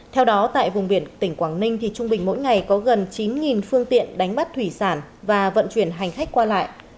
theo đó tại vùng biển tỉnh quảng ninh trung bình mỗi ngày có gần chín phương tiện đánh bắt thủy sản và vận chuyển hành khách qua lại